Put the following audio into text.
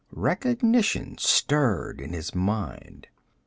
Recognition stirred in his mind.